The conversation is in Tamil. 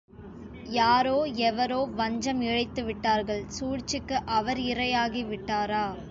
யாரோ எவரோ வஞ்சம் இழைத்துவிட்டார்கள் சூழ்ச்சிக்கு அவர் இரையாகி விட்டாரா?